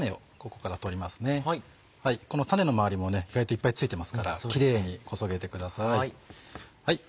この種の周りも意外といっぱい付いてますからキレイにこそげてください。